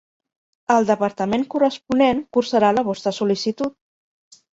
El departament corresponent cursarà la vostra sol·licitud.